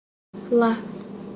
Lá